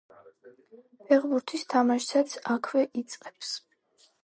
ფეხბურთის თამაშსაც აქვე იწყებს.